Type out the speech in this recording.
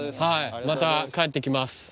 はいまた帰ってきます